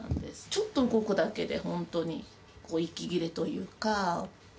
ちょっと動くだけで本当に息切れというか。